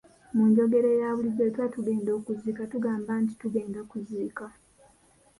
Mu njogera eya bulijjo bwe tuba tugenda okuziika tugamba nti tugenda kuziika.